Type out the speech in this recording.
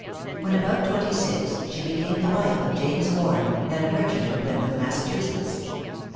When about twenty six, she became the wife of James Warren, then a merchant of Plymouth, Massachusetts.